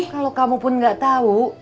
kalau kamu pun nggak tahu